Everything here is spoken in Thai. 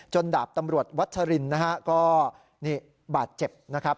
จนดาบตำรวจวัชรินศ์ก็บาดเจ็บ